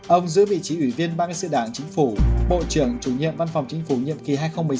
ông giữ vị trí ủy viên ban sự đảng chính phủ bộ trưởng chủ nhiệm văn phòng chính phủ nhiệm kỳ hai nghìn một mươi sáu hai nghìn hai mươi sáu